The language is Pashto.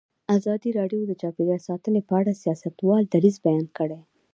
ازادي راډیو د چاپیریال ساتنه په اړه د سیاستوالو دریځ بیان کړی.